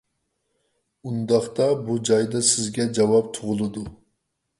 ئۇنداقتا بۇ جايدا سىزگە جاۋاب تۇغۇلىدۇ.